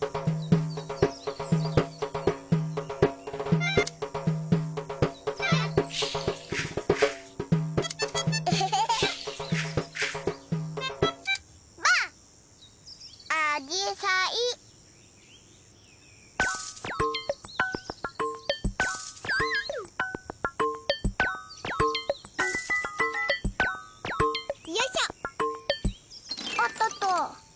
おっとっと。